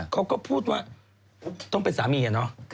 เขาก็พูดว่าต้องเป็นสามีอะเนาะ